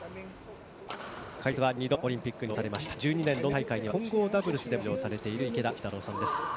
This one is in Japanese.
解説は、２度のオリンピックに出場されました１２年ロンドン大会には混合ダブルスでも出場されている池田信太郎さんです。